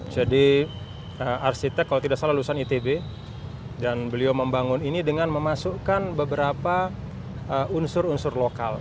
jadi arsitek kalau tidak salah lulusan itb dan beliau membangun ini dengan memasukkan beberapa unsur unsur lokal